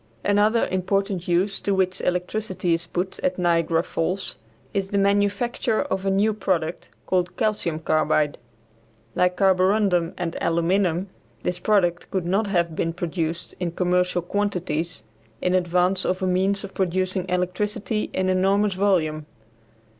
Another important use to which electricity is put at Niagara Falls is the manufacture of a new product, called calcium carbide. Like carborundum and aluminum, this product could not have been produced in commercial quantities in advance of a means for producing electricity in enormous volume.